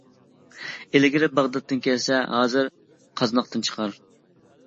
ئىلگىرى باغداتتىن كەلسە، ھازىر قازناقتىن چىقار.